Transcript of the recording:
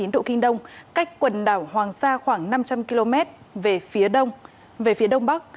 một trăm một mươi năm chín độ kinh đông cách quần đảo hoàng sa khoảng năm trăm linh km về phía đông bắc